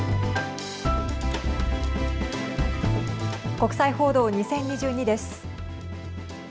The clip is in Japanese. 国際報道２０２２です。